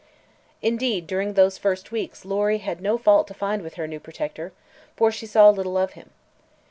Indeed, during those first weeks Lory had no fault to find with her new protector, for she saw little of him.